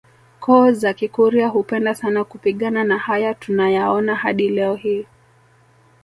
koo za Kikurya hupenda sana kupigana na haya tunayaona hadi leo hii